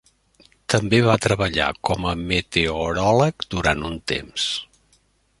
També va treballar com a meteoròleg durant un temps.